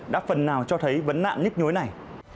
đã phần nào cho thấy vấn nạn nhức nhối này